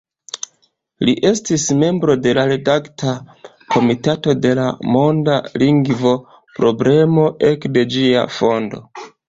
Li estis membro de la redakta komitato de La Monda Lingvo-Problemo ekde ĝia fondo.